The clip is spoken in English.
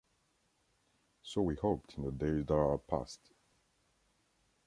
So we hoped in the days that are past.